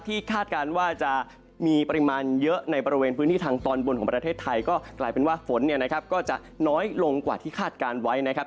คาดการณ์ว่าจะมีปริมาณเยอะในบริเวณพื้นที่ทางตอนบนของประเทศไทยก็กลายเป็นว่าฝนเนี่ยนะครับก็จะน้อยลงกว่าที่คาดการณ์ไว้นะครับ